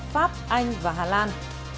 pháp anh và hà lan